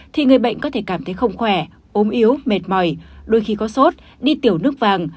thì người bệnh có thể cảm thấy không khỏe ốm yếu mệt mỏi đôi khi có sốt đi tiểu nước vàng